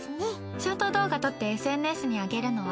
ショート動画撮ってＳＮＳに上げるのは？